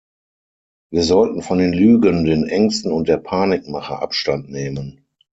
Wir sollten von den Lügen, den Ängsten und der Panikmache Abstand nehmen.